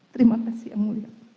terima kasih yang mulia